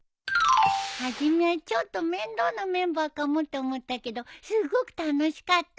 初めはちょっと面倒なメンバーかもって思ったけどすっごく楽しかった！